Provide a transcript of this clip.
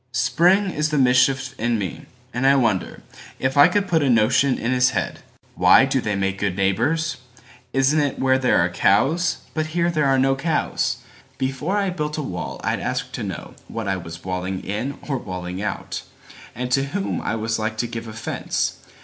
Spring is the mischief in me, and I wonderIf I could put a notion in his head:"Why do they make good neighbors? Isn't itWhere there are cows? But here there are no cows. Before I built a wall I'd ask to knowWhat I was walling in or walling out, And to whom I was like to give offence.